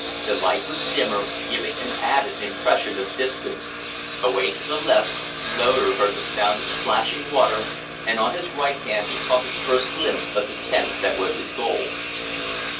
The light was dimmer, giving an added impression of distance; away to the left, Loder heard the sound of splashing water, and on his right hand he caught his first glimpse of the tent that was his goal.